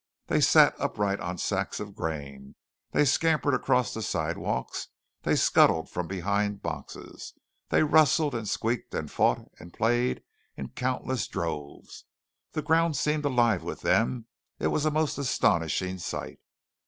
They sat upright on sacks of grain; they scampered across the sidewalks; they scuttled from behind boxes; they rustled and squeaked and fought and played in countless droves. The ground seemed alive with them. It was a most astonishing sight.